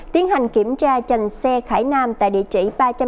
tiến hành kiểm tra chành xe khải nam tại địa chỉ ba trăm sáu mươi ba